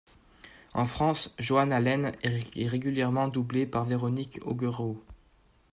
En France, Joan Allen est régulièrement doublée par Véronique Augereau.